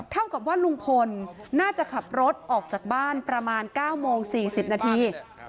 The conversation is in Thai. เท่ากับว่าลุงพลน่าจะขับรถออกจากบ้านประมาณ๙โมง๔๐นาที